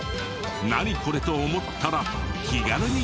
「ナニコレ？」と思ったら気軽にご投稿を。